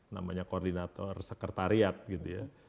namanya koordinator sekretariat gitu ya